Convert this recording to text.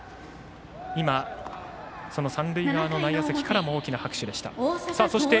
今、三塁側の内野席からも大きな拍手でした。